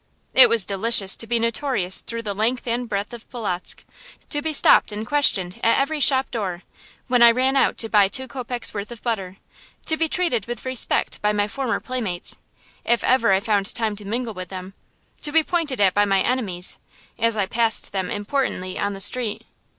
It was delicious to be notorious through the length and breadth of Polotzk; to be stopped and questioned at every shop door, when I ran out to buy two kopecks' worth of butter; to be treated with respect by my former playmates, if ever I found time to mingle with them; to be pointed at by my enemies, as I passed them importantly on the street.